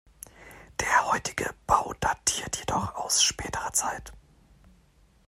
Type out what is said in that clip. Der heutige Bau datiert jedoch aus späterer Zeit.